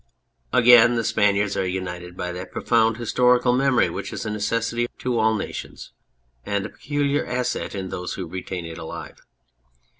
Again, the Spaniards are united by that profound historical memory which is a necessity to all nations and a peculiar asset in those who retain it alive.